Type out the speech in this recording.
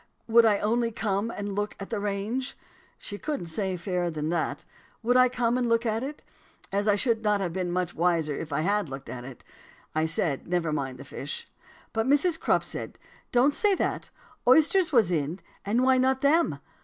would I only come and look at the range? She couldn't say fairer than that. Would I come and look at it?' As I should not have been much the wiser if I had looked at it I said never mind fish. But Mrs. Crupp said, 'Don't say that; oysters was in, and why not them?'